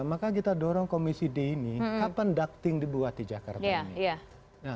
maka kita dorong komisi d ini kapan ducting dibuat di jakarta ini